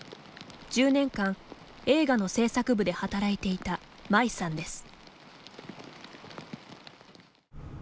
１０年間、映画の制作部で働いていたマイさんです。